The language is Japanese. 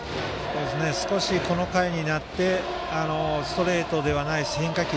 少しこの回になってストレートではない変化球